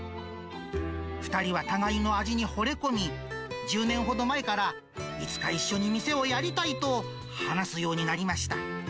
２人は互いの味にほれ込み、１０年ほど前から、いつか一緒に店をやりたいと話すようになりました。